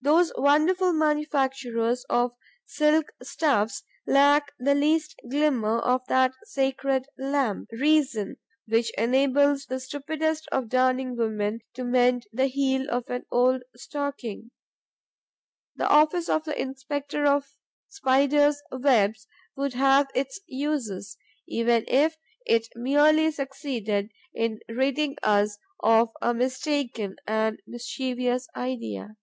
Those wonderful manufacturers of silk stuffs lack the least glimmer of that sacred lamp, reason, which enables the stupidest of darning women to mend the heel of an old stocking. The office of inspector of Spiders' webs would have its uses, even if it merely succeeded in ridding us of a mistaken and mischievous idea.